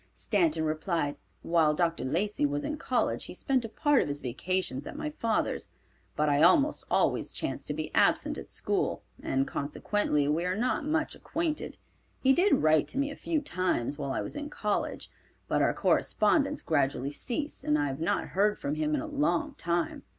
Stanton replied, "While Dr. Lacey was in college he spent a part of his vacations at my father's; but I almost always chanced to be absent at school, and consequently we are not much acquainted. He did write to me a few times while I was in college, but our correspondence gradually ceased and I have not heard from him in a long time.